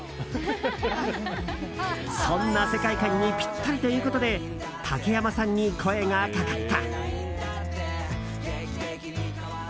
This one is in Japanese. そんな世界観にピッタリということで竹山さんに声がかかった。